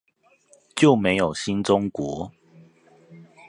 就沒有新中國